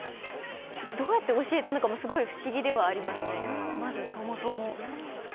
どうやって教えたのかも不思議ではありますね、そもそも。